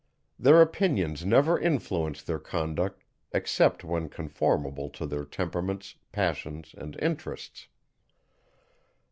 Their opinions never influence their conduct except when conformable to their temperaments, passions, and interests.